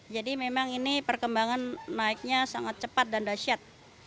jadi memang ini perkembangan naiknya sangat cepat dan dasyat